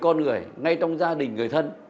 con người ngay trong gia đình người thân